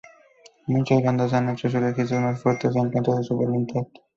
Muchas bandas han hecho sus registros más fuertes en contra de su voluntad.